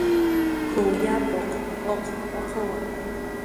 "K""uw yapuq uq uquwa"